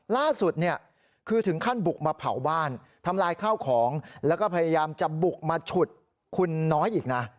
ล่าสุดเนี่ยคือถึงขั้นบุกมาเผาบ้านทำลายข้าวของแล้วก็พยายามจะบุกมาฉุดคุณน้อยอีกนะ